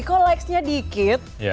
kok likesnya dikit